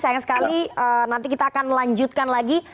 sayang sekali nanti kita akan lanjutkan lagi